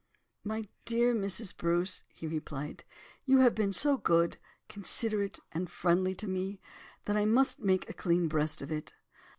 "My dear Mrs. Bruce," he replied, "you have been so good, considerate, and friendly to me, that I must make a clean breast of it.